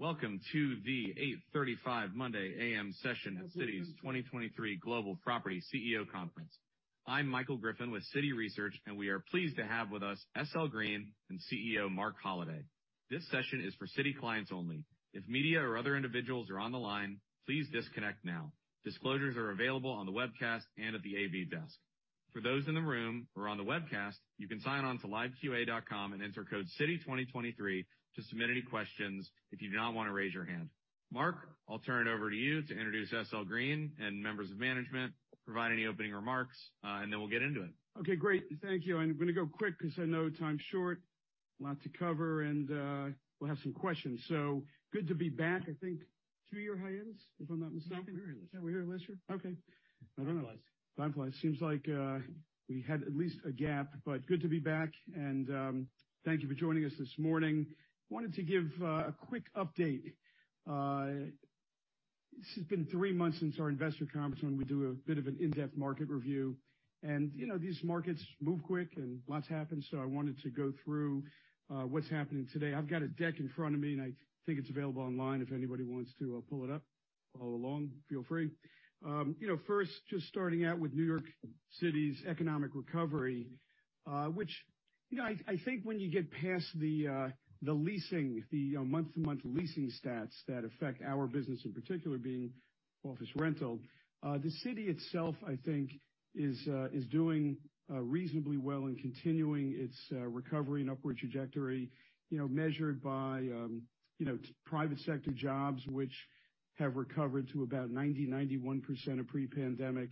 Welcome to the 8:35 A.M. Monday session at Citi's 2023 Global Property CEO Conference. I'm Michael Griffin with Citi Research. We are pleased to have with us SL Green and CEO Marc Holliday. This session is for Citi clients only. If media or other individuals are on the line, please disconnect now. Disclosures are available on the webcast and at the AV desk. For those in the room or on the webcast, you can sign on to liveqa.com and enter code Citi 2023 to submit any questions if you do not want to raise your hand. Marc, I'll turn it over to you to introduce SL Green and members of management, provide any opening remarks. Then we'll get into it. Okay, great. Thank you. I'm gonna go quick 'cause I know time's short. A lot to cover and we'll have some questions. Good to be back. I think two year hiatus, if I'm not mistaken. No, we were here last year. Oh, we were here last year? Okay. I don't know. Time flies. Seems like we had at least a gap. Good to be back and thank you for joining us this morning. Wanted to give a quick update. This has been three months since our investor conference when we do a bit of an in-depth market review. You know, these markets move quick and lots happens. I wanted to go through what's happening today. I've got a deck in front of me. I think it's available online if anybody wants to pull it up, follow along, feel free. You know, first, just starting out with New York City's economic recovery, which, you know, I think when you get past the leasing, the month-to-month leasing stats that affect our business in particular, being office rental, the city itself, I think is doing reasonably well in continuing its recovery and upward trajectory, you know, measured by, you know, private sector jobs which have recovered to about 90%-91% of pre-pandemic.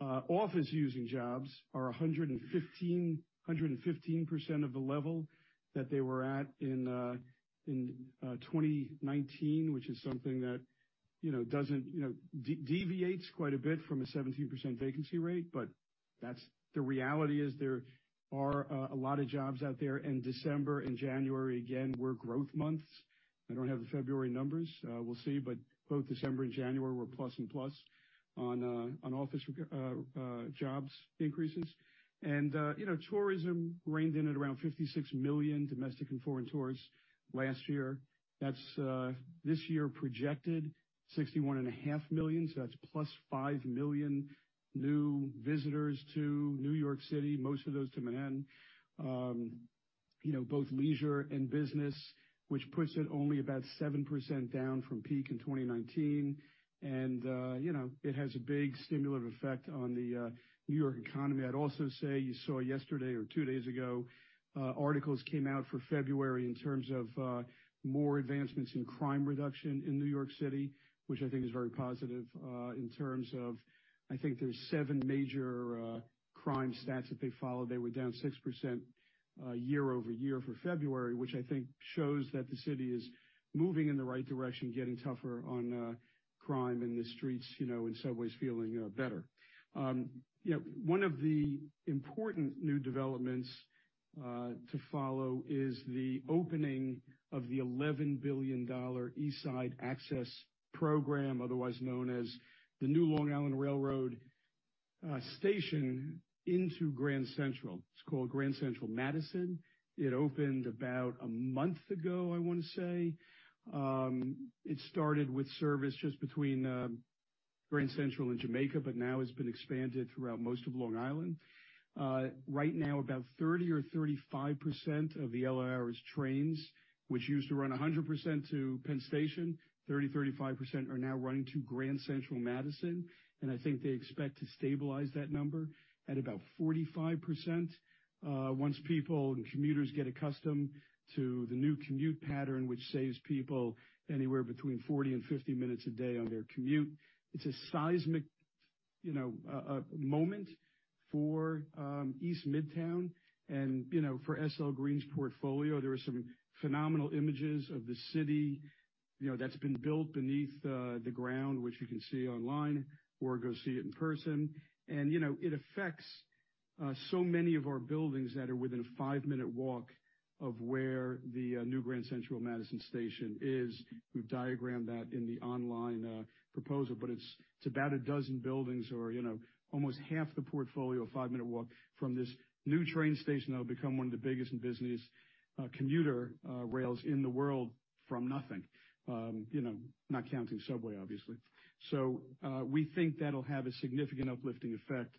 Office using jobs are 115% of the level that they were at in 2019, which is something that, you know, doesn't, you know, deviates quite a bit from a 17% vacancy rate. That's the reality is there are a lot of jobs out there, and December and January, again, were growth months. I don't have the February numbers. We'll see, but both December and January were plus and plus on office jobs increases. You know, tourism reined in at around 56 million domestic and foreign tourists last year. That's this year projected 61.5 million, so that's +5 million new visitors to New York City, most of those to Manhattan. You know, both leisure and business, which puts it only about 7% down from peak in 2019. You know, it has a big stimulative effect on the New York economy. I'd also say you saw yesterday or two days ago, articles came out for February in terms of more advancements in crime reduction in New York City, which I think is very positive, in terms of, I think there's seven major crime stats that they follow. They were down 6% year-over-year for February, which I think shows that the city is moving in the right direction, getting tougher on crime in the streets, you know, and subways feeling better. You know, one of the important new developments to follow is the opening of the $11 billion East Side Access Program, otherwise known as the New Long Island Rail Road station into Grand Central. It's called Grand Central Madison. It opened about a month ago, I wanna say. It started with service just between Grand Central and Jamaica. Now has been expanded throughout most of Long Island. Right now about 30% or 35% of the LIRR's trains, which used to run 100% to Penn Station, 30%, 35% are now running to Grand Central Madison. I think they expect to stabilize that number at about 45% once people and commuters get accustomed to the new commute pattern, which saves people anywhere between 40 minutes and 50 minutes a day on their commute. It's a seismic, you know, moment for East Midtown and, you know, for SL Green's portfolio. There are some phenomenal images of the city, you know, that's been built beneath the ground, which you can see online or go see it in person. you know, it affects so many of our buildings that are within a five-minute walk of where the new Grand Central Madison station is. We've diagrammed that in the online proposal, but it's about 12 buildings or, you know, almost half the portfolio, a five-minute walk from this new train station that will become one of the biggest and busiest commuter rails in the world from nothing. You know, not counting subway, obviously. We think that'll have a significant uplifting effect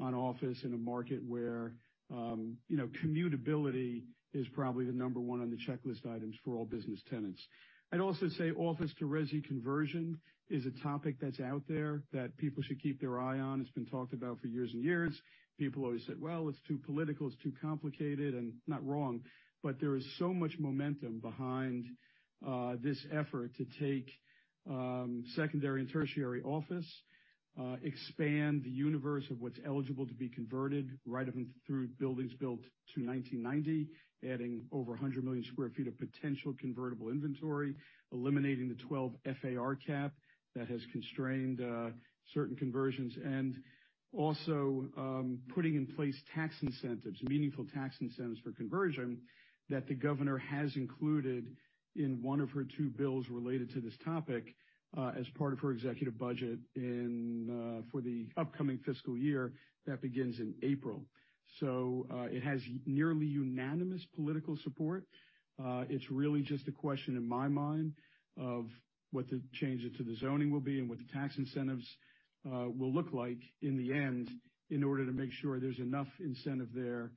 on office in a market where, you know, commutability is probably the number one on the checklist items for all business tenants. I'd also say office-to-resi conversion is a topic that's out there that people should keep their eye on. It's been talked about for years and years. People always said, "Well, it's too political, it's too complicated," and not wrong. There is so much momentum behind this effort to take secondary and tertiary office, expand the universe of what's eligible to be converted right up through buildings built to 1990, adding over 100 million sq ft of potential convertible inventory, eliminating the 12 FAR cap that has constrained certain conversions. Also, putting in place tax incentives, meaningful tax incentives for conversion that the governor has included in one of her two bills related to this topic, as part of her executive budget in for the upcoming fiscal year that begins in April. It has nearly unanimous political support. It's really just a question in my mind of what the changes to the zoning will be and what the tax incentives will look like in the end in order to make sure there's enough incentive there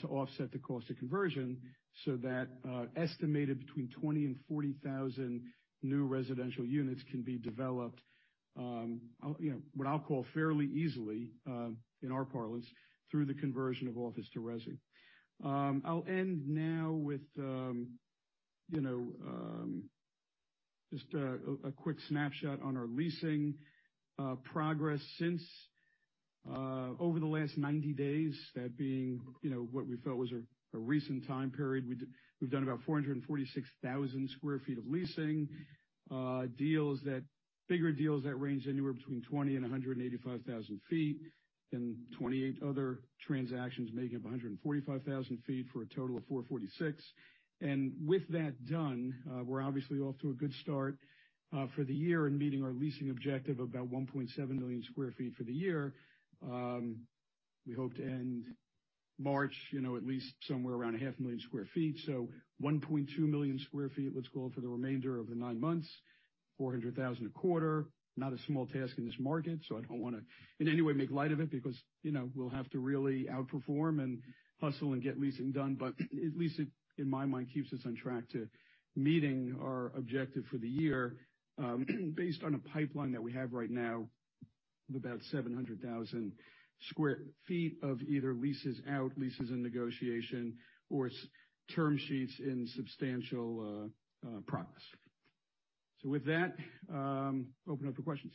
to offset the cost of conversion so that estimated between 20,000 and 40,000 new residential units can be developed, you know, what I'll call fairly easily, in our parlance, through the conversion of office to resi. I'll end now with, you know, just a quick snapshot on our leasing progress since over the last 90 days, that being, you know, what we felt was a recent time period. We've done about 446,000 sq ft of leasing, deals that bigger deals that range anywhere between 20,000 sq ft-185,000 sq ft, and 28 other transactions making up 145,000 sq ft for a total of 446,000 sq ft. With that done, we're obviously off to a good start for the year in meeting our leasing objective of about 1.7 million sq ft for the year. We hope to end March, you know, at least somewhere around 0.5 million sq ft. One point two million sq ft, let's call it, for the remainder of the nine months, 400,000 sq ft a quarter. Not a small task in this market. I don't wanna in any way make light of it because, you know, we'll have to really outperform and hustle and get leasing done. At least it, in my mind, keeps us on track to meeting our objective for the year, based on a pipeline that we have right now of about 700,000 sq ft of either leases out, leases in negotiation, or term sheets in substantial promise. With that, open up for questions.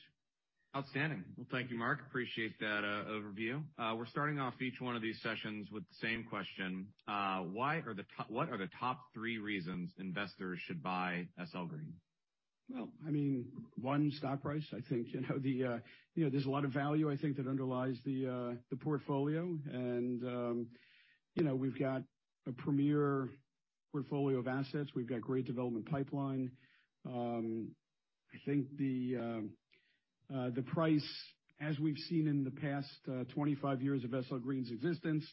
Outstanding. Well, thank you, Marc. Appreciate that overview. We're starting off each one of these sessions with the same question. What are the top three reasons investors should buy SL Green? Well, I mean, one, stock price. I think, you know, there's a lot of value I think that underlies the portfolio, and, you know, we've got a premier portfolio of assets. We've got great development pipeline. I think the price, as we've seen in the past, 25 years of SL Green's existence,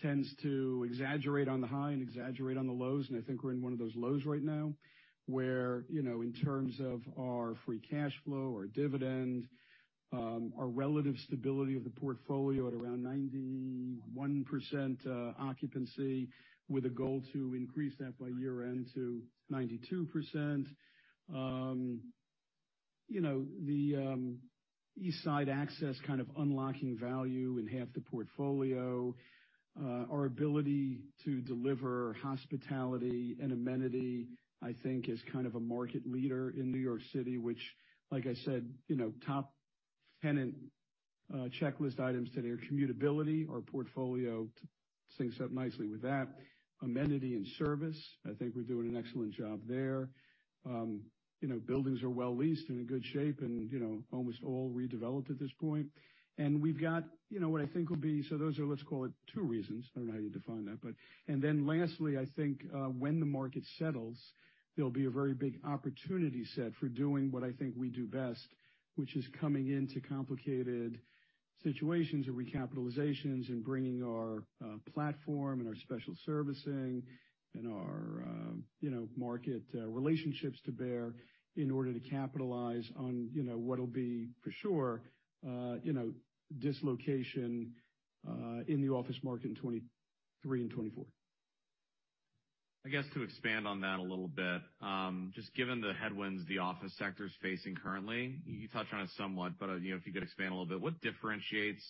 tends to exaggerate on the high and exaggerate on the lows, and I think we're in one of those lows right now, where, you know, in terms of our free cash flow, our dividend, our relative stability of the portfolio at around 91% occupancy with a goal to increase that by year-end to 92%. You know, the East Side Access kind of unlocking value in half the portfolio. Our ability to deliver hospitality and amenity, I think, is kind of a market leader in New York City, which like I said, you know, top tenant checklist items today are commutability. Our portfolio syncs up nicely with that. Amenity and service, I think we're doing an excellent job there. You know, buildings are well leased and in good shape and, you know, almost all redeveloped at this point. We've got, you know. So those are, let's call it two reasons. I don't know how you define that, but. Lastly, I think, when the market settles, there'll be a very big opportunity set for doing what I think we do best, which is coming into complicated situations or recapitalizations and bringing our platform and our special servicing and our, you know, market relationships to bear in order to capitalize on, you know, what'll be for sure, you know, dislocation in the office market in 2023 and 2024. I guess to expand on that a little bit, just given the headwinds the office sector is facing currently, you touched on it somewhat, but, you know, if you could expand a little bit, what differentiates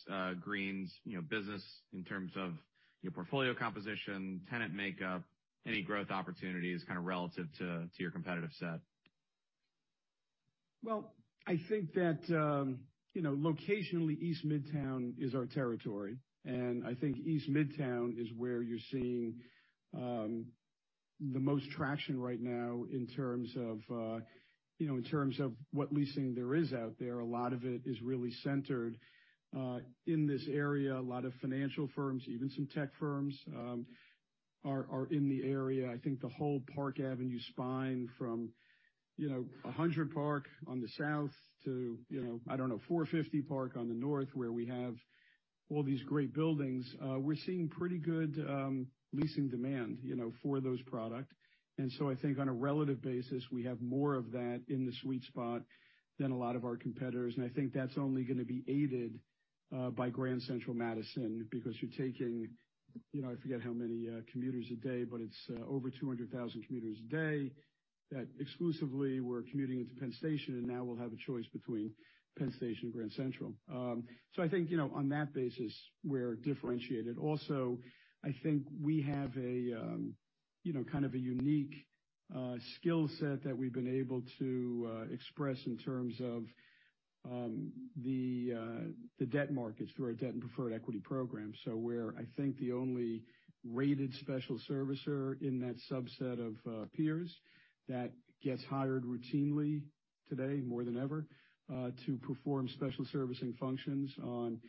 Green's, you know, business in terms of your portfolio composition, tenant makeup, any growth opportunities kinda relative to your competitive set? Well, I think that, you know, locationally, East Midtown is our territory, and I think East Midtown is where you're seeing the most traction right now in terms of, you know, in terms of what leasing there is out there. A lot of it is really centered in this area. A lot of financial firms, even some tech firms, are in the area. I think the whole Park Avenue spine from, you know, 100 Park on the south to, you know, I don't know, 450 Park on the north where we have all these great buildings, we're seeing pretty good leasing demand, you know, for those product. I think on a relative basis, we have more of that in the sweet spot than a lot of our competitors. I think that's only gonna be aided by Grand Central Madison because you're taking, you know, I forget how many commuters a day, but it's over 200,000 commuters a day that exclusively were commuting into Penn Station, and now will have a choice between Penn Station and Grand Central. I think, you know, on that basis, we're differentiated. Also, I think we have a, you know, kind of a unique skill set that we've been able to express in terms of the debt markets through our debt and preferred equity program. We're, I think, the only rated special servicer in that subset of peers that gets hired routinely today more than ever to perform special servicing functions on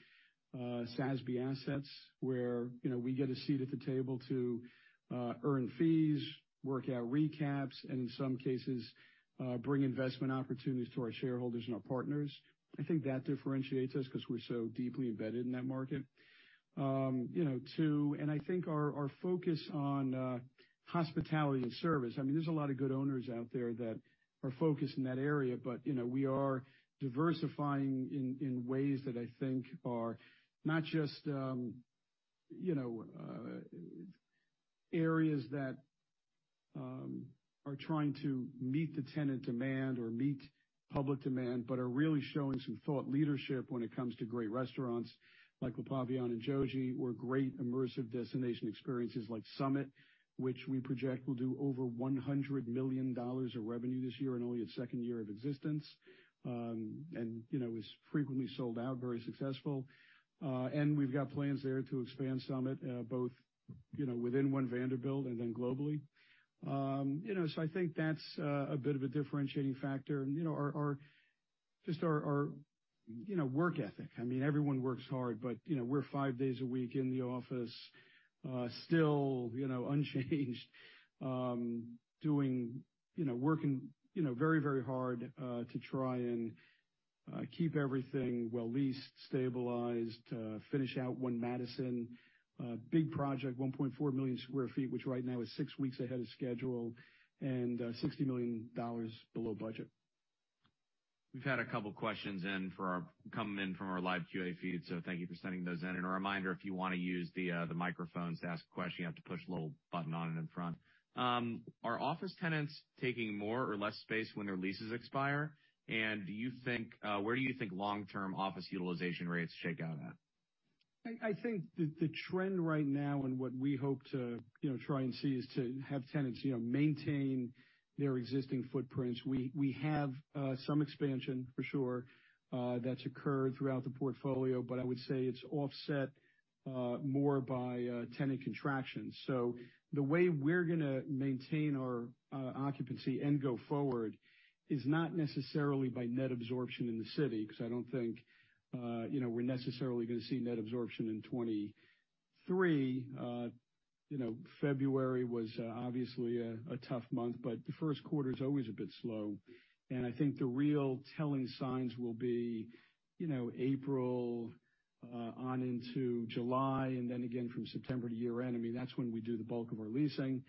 SASB assets, where, you know, we get a seat at the table to earn fees, work out recaps, and in some cases, bring investment opportunities to our shareholders and our partners. I think that differentiates us because we're so deeply embedded in that market. You know, two, and I think our focus on hospitality and service, I mean, there's a lot of good owners out there that are focused in that area, but, you know, we are diversifying in ways that I think are not just, you know, areas that are trying to meet the tenant demand or meet public demand, but are really showing some thought leadership when it comes to great restaurants like Le Pavillon and Jōji, or great immersive destination experiences like SUMMIT, which we project will do over $100 million of revenue this year in only its second year of existence. Is frequently sold out, very successful. We've got plans there to expand SUMMIT, both, you know, within One Vanderbilt and then globally. You know, I think that's a bit of a differentiating factor. You know, just our, you know, work ethic. I mean, everyone works hard, but, you know, we're five days a week in the office, still, you know, unchanged, doing, you know, working, you know, very, very hard to try and keep everything well leased, stabilized, finish out One Madison, big project, 1.4 million sq ft, which right now is six weeks ahead of schedule and $60 million below budget. We've had a couple questions come in from our LiveQA feed, so thank you for sending those in. A reminder, if you wanna use the microphones to ask a question, you have to push the little button on it in front. Are office tenants taking more or less space when their leases expire? Do you think, where do you think long-term office utilization rates shake out at? I think the trend right now and what we hope to, you know, try and see is to have tenants, you know, maintain their existing footprints. We have some expansion for sure that's occurred throughout the portfolio, but I would say it's offset more by tenant contraction. The way we're gonna maintain our occupancy and go forward is not necessarily by net absorption in the city, because I don't think, you know, we're necessarily gonna see net absorption in 2023. You know, February was obviously a tough month, but the first quarter is always a bit slow. I think the real telling signs will be, you know, April on into July, and then again from September to year-end. I mean, that's when we do the bulk of our leasing.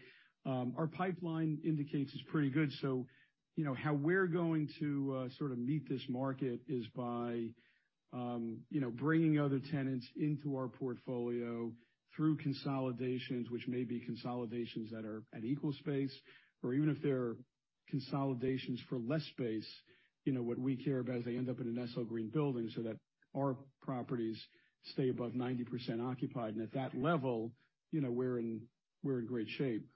Our pipeline indicates it's pretty good. How we're going to sort of meet this market is by bringing other tenants into our portfolio through consolidations, which may be consolidations that are at equal space, or even if they're consolidations for less space, you know, what we care about is they end up in an SL Green building so that our properties stay above 90% occupied. At that level, we're in great shape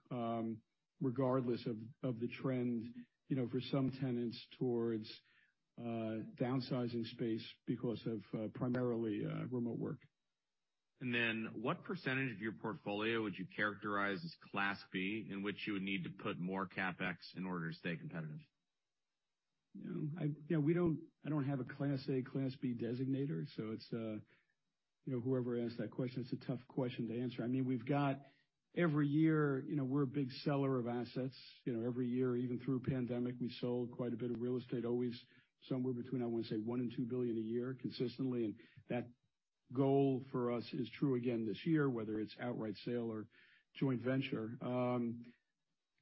regardless of the trend for some tenants towards downsizing space because of primarily remote work. What percentage of your portfolio would you characterize as Class B, in which you would need to put more CapEx in order to stay competitive? You know, I don't have a Class A, Class B designator, so it's, you know, whoever asked that question, it's a tough question to answer. I mean, we've got every year, you know, we're a big seller of assets. You know, every year, even through pandemic, we sold quite a bit of real estate, always somewhere between, I wanna say, $1 billion and $2 billion a year consistently. That goal for us is true again this year, whether it's outright sale or joint venture.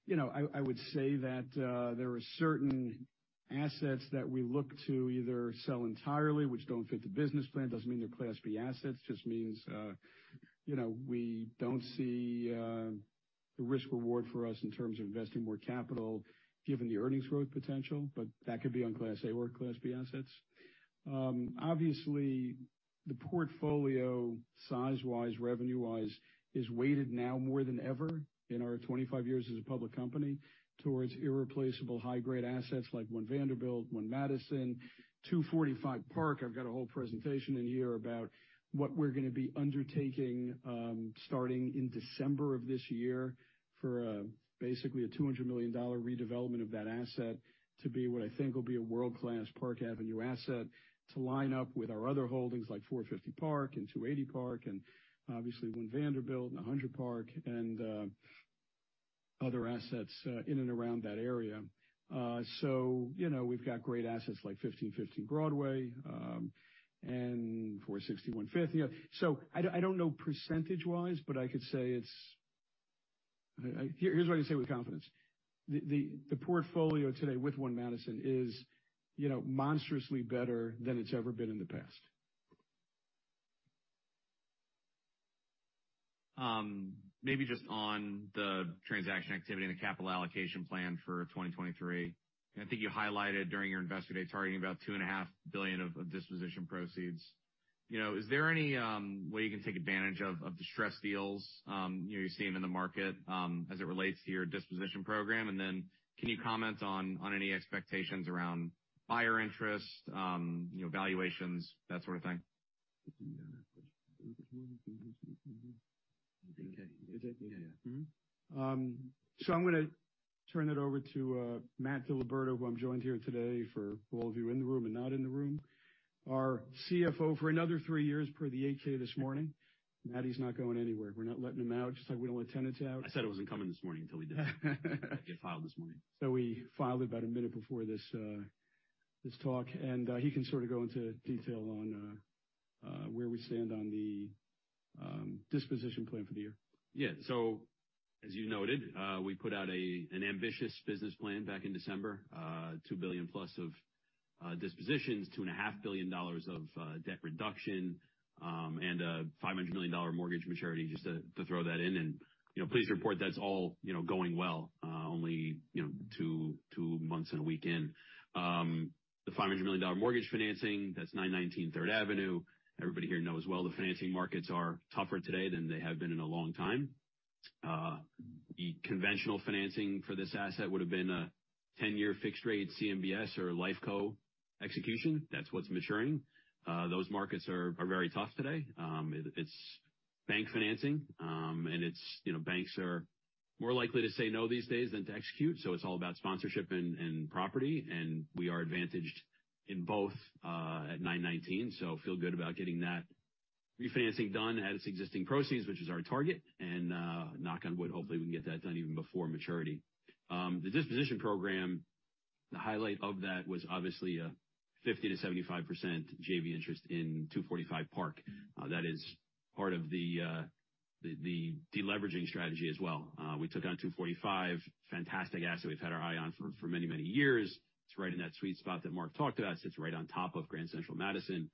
You know, I would say that there are certain assets that we look to either sell entirely, which don't fit the business plan. Doesn't mean they're Class B assets, just means, you know, we don't see, the risk reward for us in terms of investing more capital given the earnings growth potential, but that could be on Class A or Class B assets. Obviously, the portfolio size-wise, revenue-wise, is weighted now more than ever in our 25 years as a public company towards irreplaceable high-grade assets like One Vanderbilt, One Madison, 245 Park. I've got a whole presentation in here about what we're gonna be undertaking, starting in December of this year for, basically a $200 million redevelopment of that asset to be what I think will be a world-class Park Avenue asset to line up with our other holdings like 450 Park and 280 Park and obviously One Vanderbilt and 100 Park and other assets in and around that area. You know, we've got great assets like 1515 Broadway and 461 Fifth. You know, I don't know percentage-wise, but I could say it's. Here's what I can say with confidence. The portfolio today with One Madison is, you know, monstrously better than it's ever been in the past. Maybe just on the transaction activity and the capital allocation plan for 2023, I think you highlighted during your Investor Day targeting about 2.5 Billion of disposition proceeds. You know, is there any way you can take advantage of distressed deals, you know, you're seeing in the market, as it relates to your disposition program? Then can you comment on any expectations around buyer interest, you know, valuations, that sort of thing? Okay. Is it? Yeah. I'm gonna turn it over to Matt DiLiberto, who I'm joined here today, for all of you in the room and not in the room, our CFO for another three years per the Form 8-K this morning. Matty's not going anywhere. We're not letting him out, just like we don't want tenants out. I said I wasn't coming this morning until we did it. Get filed this morning. We filed about a minute before this talk, and he can sort of go into detail on where we stand on the disposition plan for the year. Yeah. As you noted, we put out an ambitious business plan back in December, $2 billion+ of dispositions, $2.5 billion of debt reduction, and a $500 million mortgage maturity just to throw that in. You know, please report that's all, you know, going well, only, you know, two months and a week in. The $500 million mortgage financing, that's 919 Third Avenue. Everybody here knows well the financing markets are tougher today than they have been in a long time. The conventional financing for this asset would have been a 10-year fixed rate CMBS or LifeCo execution. That's what's maturing. Those markets are very tough today. It's bank financing, you know, banks are more likely to say no these days than to execute. It's all about sponsorship and property, and we are advantaged in both at 919, so feel good about getting that refinancing done at its existing proceeds, which is our target. Knock on wood, hopefully we can get that done even before maturity. The disposition program, the highlight of that was obviously a 50%-75% JV interest in 245 Park. That is part of the deleveraging strategy as well. We took on 245. Fantastic asset we've had our eye on for many, many years. It's right in that sweet spot that Marc talked about. Sits right on top of Grand Central Madison.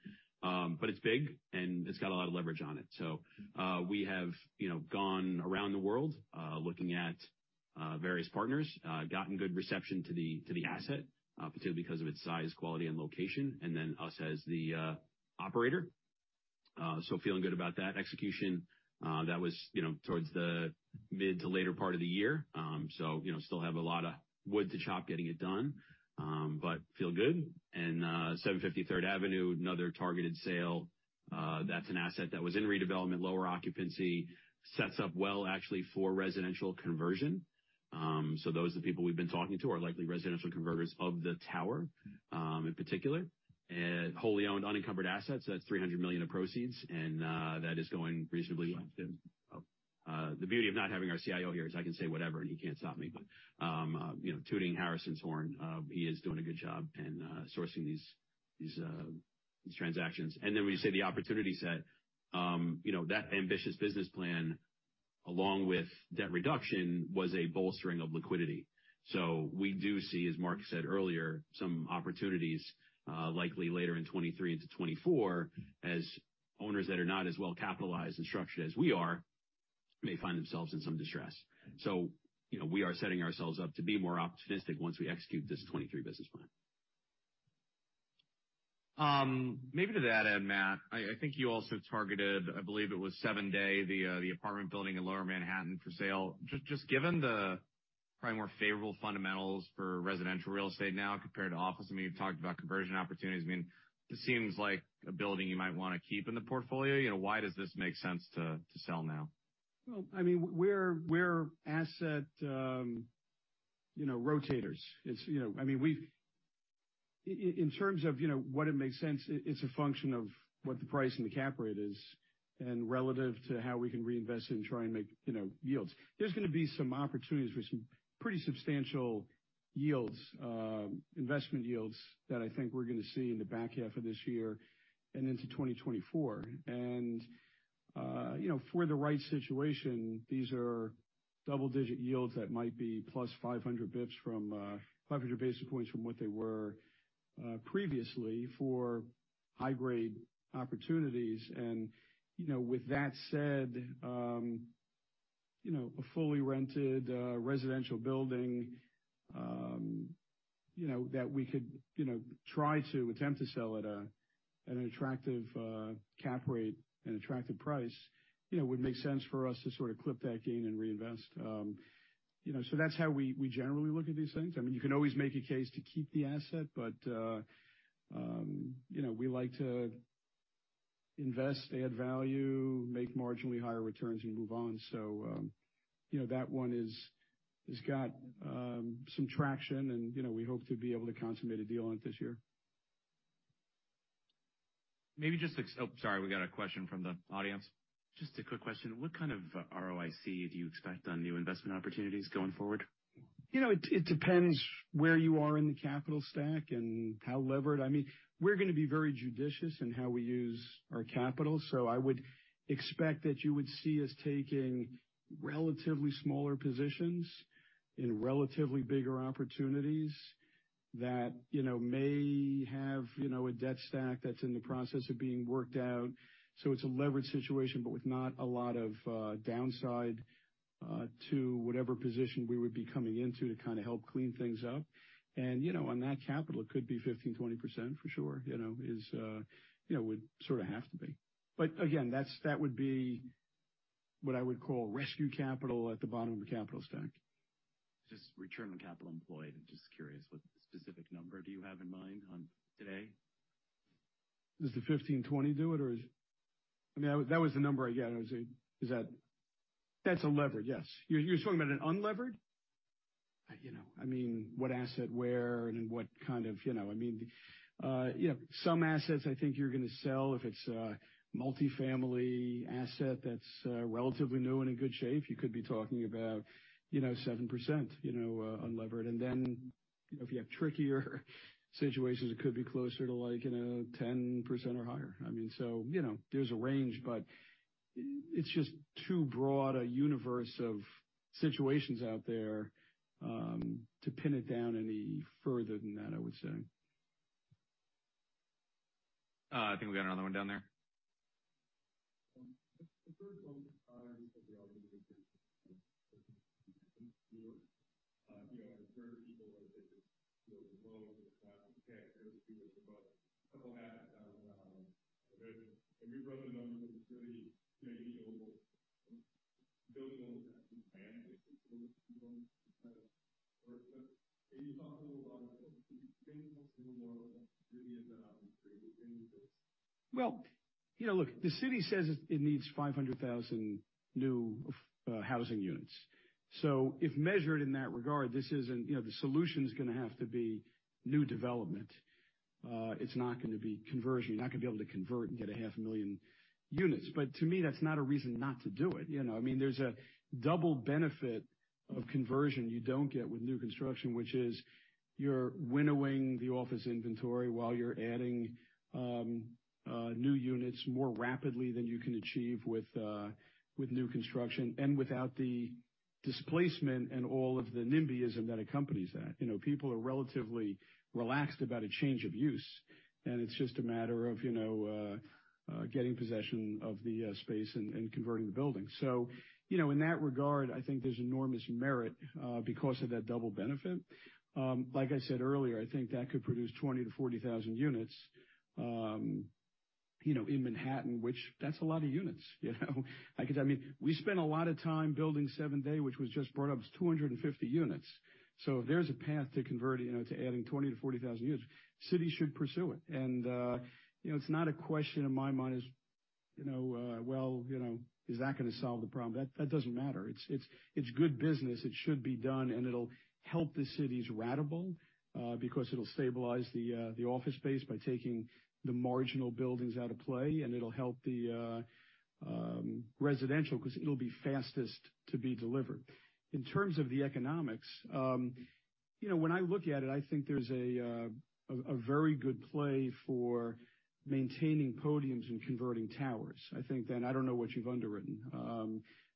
It's big and it's got a lot of leverage on it. We have, you know, gone around the world, looking at various partners, gotten good reception to the asset, particularly because of its size, quality and location, us as the operator. Feeling good about that execution, that was, you know, towards the mid to later part of the year. You know, still have a lot of wood to chop getting it done, feel good. 750 Third Avenue, another targeted sale. That's an asset that was in redevelopment, lower occupancy. Sets up well, actually for residential conversion. Those are the people we've been talking to, are likely residential converters of the tower, in particular. Wholly owned unencumbered assets. That's $300 million of proceeds. That is going reasonably. The beauty of not having our CIO here is I can say whatever and he can't stop me. You know, tooting Harrison's horn, he is doing a good job and sourcing these transactions. We say the opportunity set, you know, that ambitious business plan, along with debt reduction, was a bolstering of liquidity. We do see, as Marc said earlier, some opportunities, likely later in 2023 into 2024, as owners that are not as well capitalized and structured as we are, may find themselves in some distress. You know, we are setting ourselves up to be more optimistic once we execute this 23 business plan. Maybe to that end, Matt, I think you also targeted, I believe it was 7 Dey, the apartment building in Lower Manhattan for sale. Just given the probably more favorable fundamentals for residential real estate now compared to office, I mean, you've talked about conversion opportunities. I mean, this seems like a building you might wanna keep in the portfolio. You know, why does this make sense to sell now? Well, I mean, we're asset, you know, rotators. It's, you know. I mean, we've In terms of, you know, what it makes sense, it's a function of what the price and the cap rate is and relative to how we can reinvest it and try and make, you know, yields. There's gonna be some opportunities for some pretty substantial yields, investment yields that I think we're gonna see in the back half of this year and into 2024. For the right situation, these are double-digit yields that might be +500 bps from, 500 basis points from what they were, previously for high grade opportunities. You know, with that said, you know, a fully rented residential building, you know, that we could, you know, try to attempt to sell at an attractive cap rate and attractive price, you know, would make sense for us to sort of clip that gain and reinvest. You know, that's how we generally look at these things. I mean, you can always make a case to keep the asset, but you know, we like to invest, add value, make marginally higher returns and move on. You know, that one is, has got some traction and, you know, we hope to be able to consummate a deal on it this year. Oh, sorry, we got a question from the audience. Just a quick question. What kind of ROIC do you expect on new investment opportunities going forward? You know, it depends where you are in the capital stack and how levered. I mean, we're gonna be very judicious in how we use our capital, so I would expect that you would see us taking relatively smaller positions in relatively bigger opportunities that, you know, may have, you know, a debt stack that's in the process of being worked out. It's a levered situation, but with not a lot of downside to whatever position we would be coming into to kind of help clean things up. You know, on that capital, it could be 15%-20% for sure. You know, is, you know, would sort of have to be. Again, that would be what I would call rescue capital at the bottom of the capital stack. Just return on capital employed. Just curious, what specific number do you have in mind on today? Does the 15%, 20% do it, or is it? I mean, that was the number I got. Is it, is that? That's unlevered, yes. You're talking about an unlevered? You know, I mean, what asset where and what kind of, you know, I mean, you know, some assets I think you're gonna sell if it's a multifamily asset that's relatively new and in good shape, you could be talking about, you know, 7%, you know, unlevered. You know, if you have trickier situations, it could be closer to like, you know, 10% or higher. I mean, you know, there's a range, but it's just too broad a universe of situations out there to pin it down any further than that, I would say. I think we got another one down there. The first one, you know, I've heard people say that those loans are not okay. There was a couple of ads down, have you run the numbers with the city to maybe build buildings that can handle those kind of work? Have you talked a little about the things in the world really end up creating this? You know, look, the city says it needs 500,000 new housing units. If measured in that regard, this isn't, you know, the solution's gonna have to be new development. It's not gonna be conversion. You're not gonna be able to convert and get 0.5 Million units. To me, that's not a reason not to do it. You know, I mean, there's a double benefit of conversion you don't get with new construction, which is you're winnowing the office inventory while you're adding new units more rapidly than you can achieve with new construction and without the displacement and all of the NIMBYism that accompanies that. You know, people are relatively relaxed about a change of use, and it's just a matter of, you know, getting possession of the space and converting the building. You know, in that regard, I think there's enormous merit because of that double benefit. Like I said earlier, I think that could produce 20,000 units-40,000 units, you know, in Manhattan, which that's a lot of units, you know? I mean, we spent a lot of time building 7 Dey, which was just brought up, it's 250 units. If there's a path to convert, you know, to adding 20,000 units-40,000 units, cities should pursue it. You know, it's not a question in my mind is, you know, well, you know, is that gonna solve the problem? That doesn't matter. It's good business. It should be done, and it'll help the city's ratable, because it'll stabilize the office space by taking the marginal buildings out of play, and it'll help the residential 'cause it'll be fastest to be delivered. In terms of the economics, you know, when I look at it, I think there's a very good play for maintaining podiums and converting towers. I think then, I don't know what you've underwritten,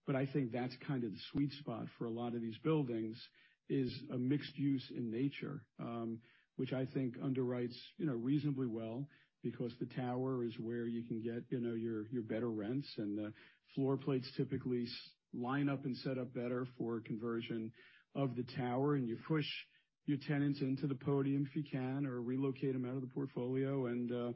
but I think that's kind of the sweet spot for a lot of these buildings is a mixed use in nature, which I think underwrites, you know, reasonably well because the tower is where you can get, you know, your better rents and the floor plates typically line up and set up better for conversion of the tower and you push your tenants into the podium if you can or relocate them out of the portfolio and,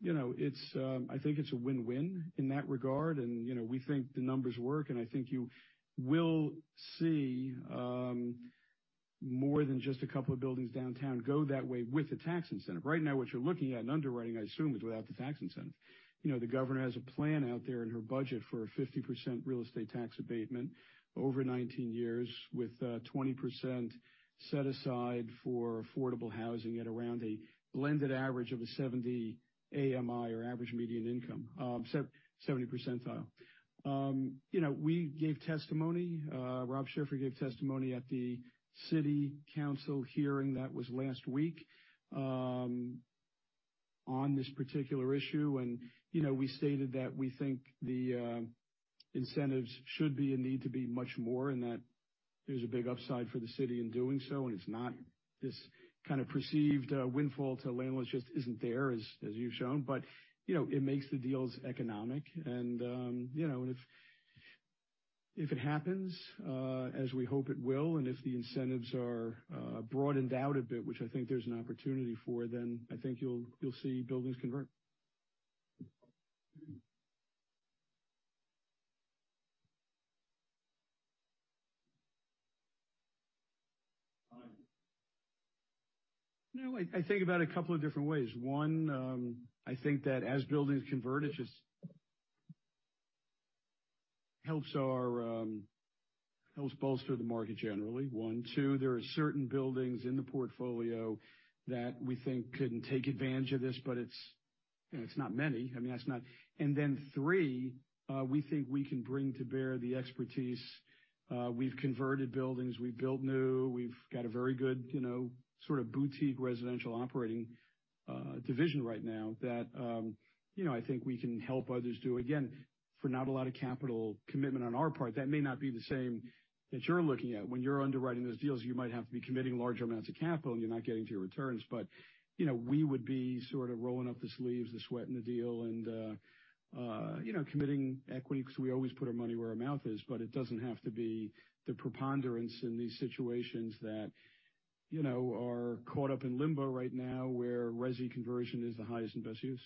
you know, it's, I think it's a win-win in that regard. You know, we think the numbers work and I think you will see more than just a couple of buildings downtown go that way with the tax incentive. Right now what you're looking at in underwriting I assume is without the tax incentive. You know, the governor has a plan out there in her budget for a 50% real estate tax abatement over 19 years with 20% set aside for affordable housing at around a blended average of a 70 AMI or average median income, 70 percentile. You know, we gave testimony, Rob gave testimony at the city council hearing that was last week on this particular issue. You know, we stated that we think the incentives should be and need to be much more and that there's a big upside for the city in doing so and it's not this kind of perceived windfall to landlords just isn't there as you've shown. You know, it makes the deals economic and, you know, and if it happens, as we hope it will and if the incentives are, broadened out a bit which I think there's an opportunity for then I think you'll see buildings convert. Got it. No, I think about a couple of different ways. One, I think that as buildings convert it just helps our, helps bolster the market generally, one. Two, there are certain buildings in the portfolio that we think can take advantage of this but it's, you know, it's not many. I mean that's not. Three, we think we can bring to bear the expertise. We've converted buildings, we've built new, we've got a very good, you know, sort of boutique residential operating division right now that, you know, I think we can help others do. Again, for not a lot of capital commitment on our part, that may not be the same that you're looking at. When you're underwriting those deals, you might have to be committing large amounts of capital, and you're not getting to your returns. You know, we would be sort of rolling up the sleeves, the sweat in the deal and, you know, committing equity because we always put our money where our mouth is, but it doesn't have to be the preponderance in these situations that, you know, are caught up in limbo right now where resi conversion is the highest and best use.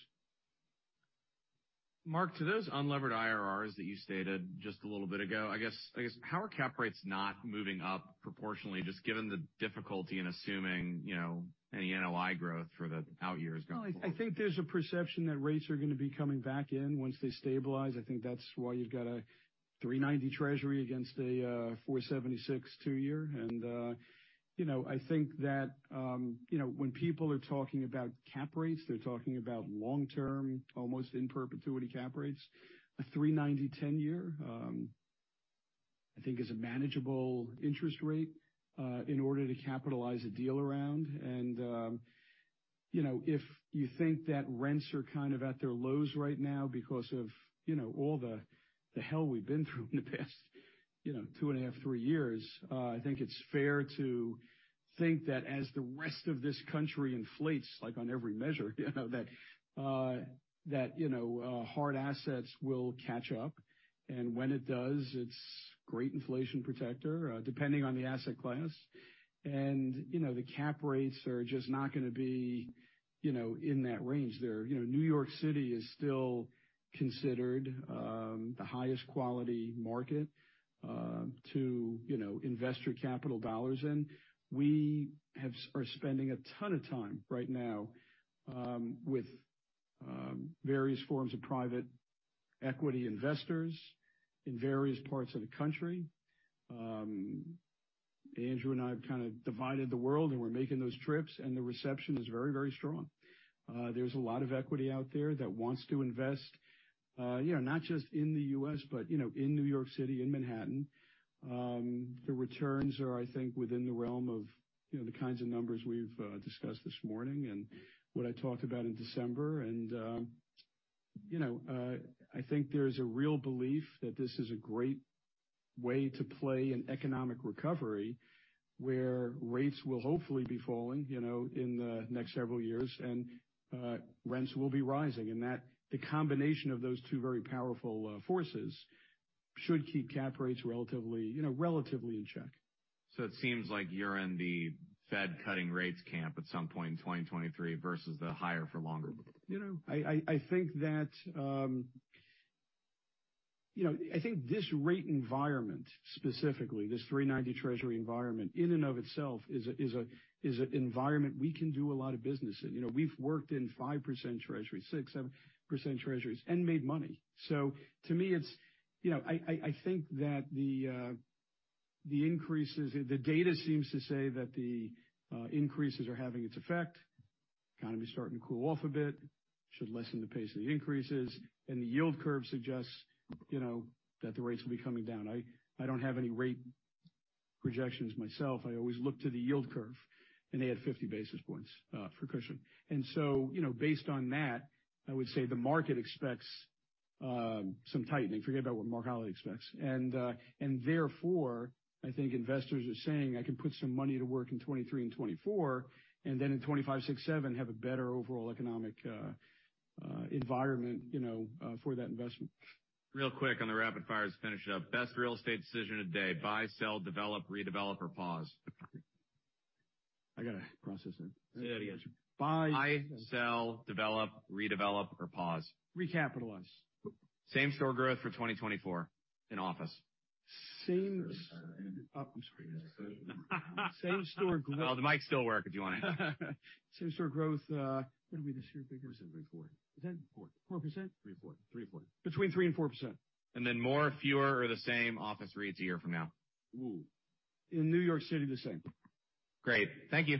Marc, to those unlevered IRRs that you stated just a little bit ago, I guess, power cap rates not moving up proportionally, just given the difficulty in assuming, you know, any NOI growth for the out years going forward. I think there's a perception that rates are gonna be coming back in once they stabilize. I think that's why you've got a 3.90 treasury against a 4.76 two year. I think that when people are talking about cap rates, they're talking about long-term, almost in perpetuity cap rates. A 3.90 10-year, I think is a manageable interest rate in order to capitalize a deal around. You know, if you think that rents are kind of at their lows right now because of, you know, all the hell we've been through in the past, you know, two and a half, three years, I think it's fair to think that as the rest of this country inflates, like on every measure, you know, that, you know, hard assets will catch up. When it does, it's great inflation protector, depending on the asset class. You know, the cap rates are just not gonna be, you know, in that range. You know, New York City is still considered the highest quality market to, you know, investor capital dollars in. are spending a ton of time right now with various forms of private equity investors in various parts of the country. Andrew and I have kind of divided the world, and we're making those trips, and the reception is very, very strong. There's a lot of equity out there that wants to invest, you know, not just in the U.S., but you know, in New York City, in Manhattan. The returns are, I think, within the realm of, you know, the kinds of numbers we've discussed this morning and what I talked about in December. You know, I think there's a real belief that this is a great way to play an economic recovery where rates will hopefully be falling, you know, in the next several years and rents will be rising. That the combination of those two very powerful forces should keep cap rates relatively, you know, relatively in check. It seems like you're in the Fed cutting rates camp at some point in 2023 versus the higher for longer. You know, I think that, you know, I think this rate environment, specifically this 3.90% Treasury environment in and of itself is an environment we can do a lot of business in. You know, we've worked in 5% Treasury, 6%, 7% Treasuries and made money. To me it's, you know, I think that the data seems to say that the increases are having its effect. Economy's starting to cool off a bit. Should lessen the pace of the increases. The yield curve suggests, you know, that the rates will be coming down. I don't have any rate projections myself. I always look to the yield curve, and they had 50 basis points for cushion. You know, based on that, I would say the market expects some tightening. Forget about what Marc Holliday expects. Therefore, I think investors are saying, I can put some money to work in 2023 and 2024, and then in 2025, 2026, 2027 have a better overall economic environment, you know, for that investment. Real quick on the rapid fire to finish it up. Best real estate decision today, buy, sell, develop, redevelop or pause? I gotta process that. Say it again. Buy- Buy, sell, develop, redevelop or pause. Recapitalize. Same store growth for 2024 in office. Oh, I'm sorry. Same store growth. Well, the mic still work if you want it. Same store growth. What did we just do? Figures? 3%-4%. Is that it? 4%. 4%? 3%-4% Between 3% and 4%. More, fewer or the same office REITs a year from now. In New York City, the same. Great. Thank you.